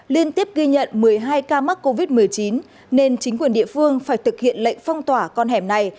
liên tiếp ghi nhận một mươi hai ca mắc covid một mươi chín nên chính quyền địa phương phải thực hiện lệnh phong tỏa con hẻm này